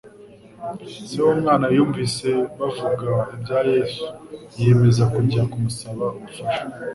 Se w'umwana yumvise bavuga ibya Yesu, yiyemeza kujya kumusaba ubufasha.